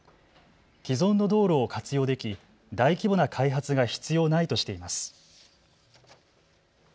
既存の道路を活用でき、大規模な開発が必要ないとしています。